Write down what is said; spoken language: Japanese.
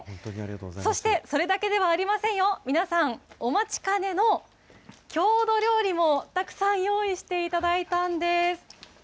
そしてそれだけではありませんよ、皆さんお待ちかねの郷土料理もたくさん用意していただいたんです。